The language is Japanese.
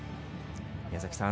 宮崎さん